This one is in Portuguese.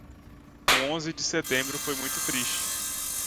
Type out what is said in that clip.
O onze de setembro foi muito triste.